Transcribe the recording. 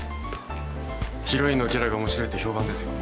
ヒロインのキャラが面白いって評判ですよ。